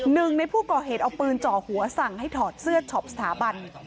หนึ่งในผู้ก่อเหตุเอาปืนจ่อหัวสั่งให้ถอดเสื้อช็อปสถาบัน